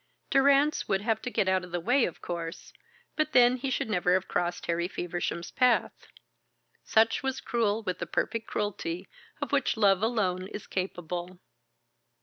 Durrance would have to get out of the way, of course, but then he should never have crossed Harry Feversham's path. Sutch was cruel with the perfect cruelty of which love alone is capable.